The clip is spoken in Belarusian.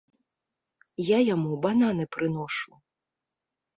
Я яму бананы прыношу.